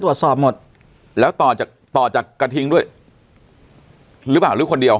ตรวจสอบหมดแล้วต่อจากต่อจากกระทิงด้วยหรือเปล่าหรือคนเดียว